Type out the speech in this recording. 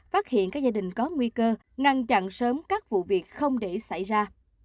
phát hiện các gia đình có nguy cơ ngăn chặn sớm các vụ việc không để xảy ra